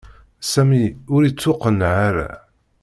Sami ur ittuqqeneɛ ara.